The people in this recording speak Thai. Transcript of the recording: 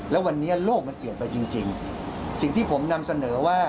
แล้ววันนี้โลกมันเปลี่ยนไปจริงสิ่งที่ผมนำเสนอว่า